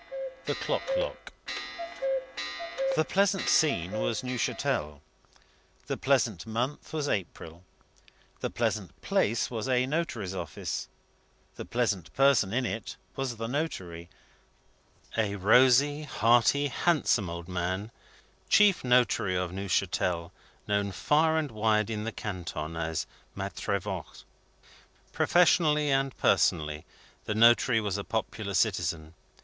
THE CLOCK LOCK The pleasant scene was Neuchatel; the pleasant month was April; the pleasant place was a notary's office; the pleasant person in it was the notary: a rosy, hearty, handsome old man, chief notary of Neuchatel, known far and wide in the canton as Maitre Voigt. Professionally and personally, the notary was a popular citizen.